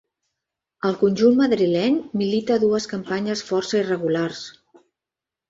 Al conjunt madrileny milita dues campanyes força irregulars.